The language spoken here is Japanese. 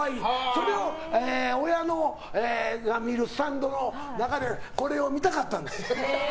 それを親が見るスタンドの中でこれを見たかったんです。